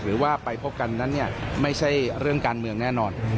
หรือว่าไปพบกันนั้นเนี่ยไม่ใช่เรื่องการเมืองแน่นอน